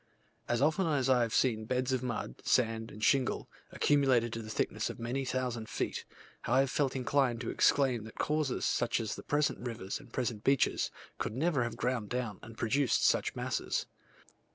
As often as I have seen beds of mud, sand, and shingle, accumulated to the thickness of many thousand feet, I have felt inclined to exclaim that causes, such as the present rivers and the present beaches, could never have ground down and produced such masses.